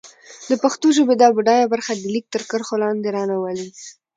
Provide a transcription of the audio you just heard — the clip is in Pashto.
د پښتو ژبې دا بډايه برخه د ليک تر کرښو لاندې را نه ولي.